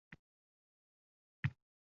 Uyqudan uygʻoning, huv